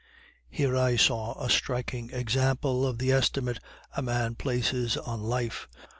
Here I saw a striking example of the estimate a man places on life.